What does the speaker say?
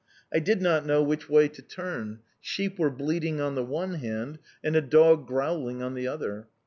I did not know which way to turn sheep were bleating on the one hand and a dog growling on the other.